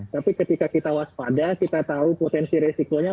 tapi ketika kita waspada kita tahu potensi resikonya